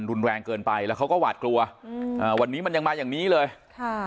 แล้วเขาก็หวาดกลัวอ่าวันนี้มันยังมาอย่างนี้เลยค่ะ